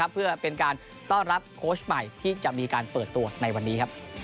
เพื่อเป็นการต้อนรับโค้ชใหม่ที่จะมีการเปิดตัวในวันนี้